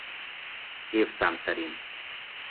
Évszám szerint